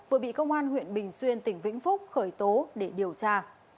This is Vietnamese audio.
vừa bị công an huyện bình xuyên tỉnh vĩnh phúc khởi tố để điều tra